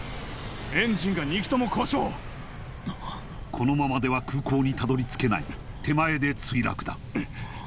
このままでは空港にたどり着けない手前で墜落だ